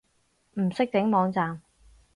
唔識整網站